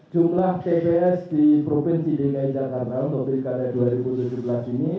jumlah tps di provinsi dki jakarta untuk pilkada dua ribu tujuh belas ini